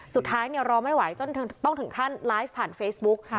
สุดท้ายเนี่ยรอไม่ไหวจนต้องถึงขั้นไลฟ์ผ่านเฟซบุ๊กค่ะ